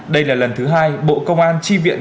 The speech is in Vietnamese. đây là lần thứ hai bộ công an tri viện